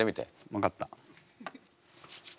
分かった。